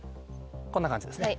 こんな感じですね。